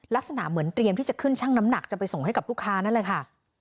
ลักษณะเหมือนเตรียมที่จะขึ้นช่างน้ำหนักจะไปส่งให้กับลูกค้านั่นแหละค่ะ